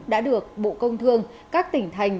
đã được bộ công thương các tỉnh thành